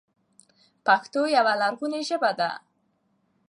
پښتو يوه لرغونې ژبه ده،